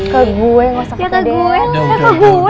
ke gue nggak usah pedih ya ke gue